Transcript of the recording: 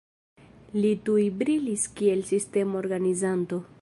Li tuj brilis kiel sistema organizanto.